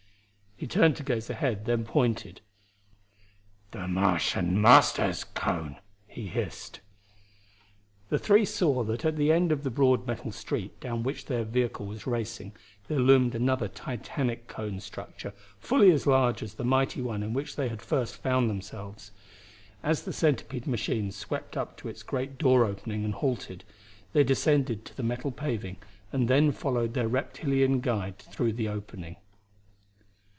He turned to gaze ahead, then pointed. "The Martian Master's cone," he hissed. The three saw that at the end of the broad metal street down which their vehicle was racing there loomed another titanic cone structure, fully as large as the mighty one in which they first found themselves. As the centipede machine swept up to its great door opening and halted, they descended to the metal paving and then followed their reptilian guide through the opening.